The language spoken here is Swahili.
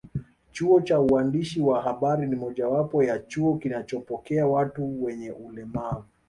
Chuo cha uandishi wa habari ni mojawapo ya chuo kinachopokea watu wenye ulemavu